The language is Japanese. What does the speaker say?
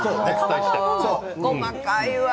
細かいわ。